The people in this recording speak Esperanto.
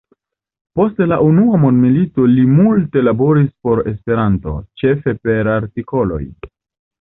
Post la Unua mondmilito li multe laboris por Esperanto, ĉefe per artikoloj.